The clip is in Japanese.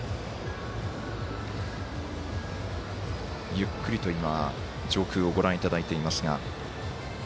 ゆっくりと今上空をご覧いただいていますが。